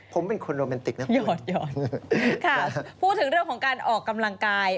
ผมเป็นคนโรแมนติกนะหยอดค่ะพูดถึงเรื่องของการออกกำลังกาย